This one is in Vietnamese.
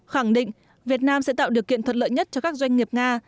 khẳng định việt nam sẽ tạo điều kiện thuận lợi nhất cho các doanh nghiệp nga